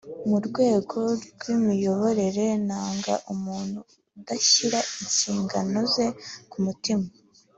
Mu rwego rw’imiyoborere nanga umuntu udashyira inshingano ze ku mutima